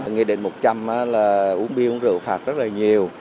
nghị định một trăm linh là uống bia uống rượu phạt rất là nhiều